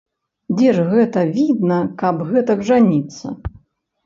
Дзе ж гэта відна, каб гэтак жаніцца?